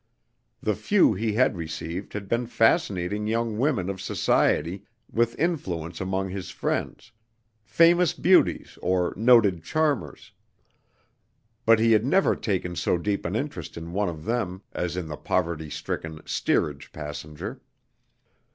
The few he had received had been fascinating young women of society with influence among his friends, famous beauties, or noted charmers; but he had never taken so deep an interest in one of them as in the poverty stricken, steerage passenger.